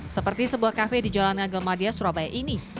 seperti sebuah kafe di jalan ngagel madia surabaya ini